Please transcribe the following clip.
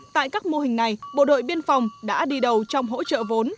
tại các mô hình này bộ đội biên phòng đã đi đầu trong hỗ trợ vốn